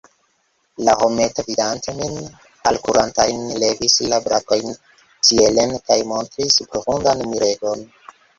La hometo, vidante nin alkurantajn, levis la brakojn ĉielen, kaj montris profundan miregon.